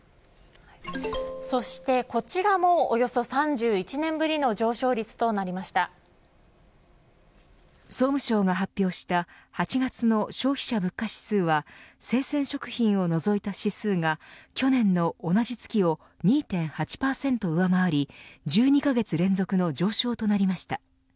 そしてこちらもおよそ３１年ぶりの総務省が発表した８月の消費者物価指数は生鮮食品を除いた指数が去年の同じ月を２．８％上回り１２カ月連続の上昇となりました。